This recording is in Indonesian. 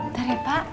ntar ya pak